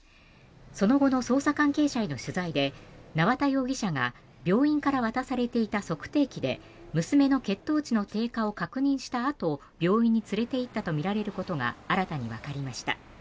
その後の捜査関係者への取材で縄田容疑者が病院から渡されていた測定器で娘の血糖値の低下を確認したあと病院に連れていったとみられることが新たにわかりました。